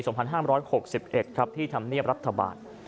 ส่วน๑๕๖๑ครับที่ทำเนียบรัฐบาล